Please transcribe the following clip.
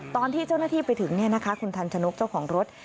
ตอนที่เจ้าหน้าที่ไปถึงคุณทันชนกเจ้าของรถ